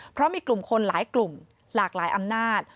เพราะมีกลุ่มคนหลายกลุ่มหลากหลายอำนาจ